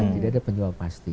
tidak ada penyebab pasti